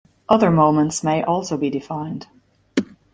Other moments may also be defined.